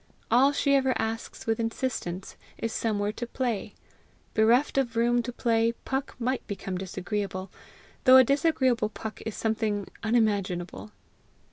All she ever asks with insistence is somewhere to play. Bereft of room to play, Puck might become disagreeable, though a disagreeable Puck is something unimaginable.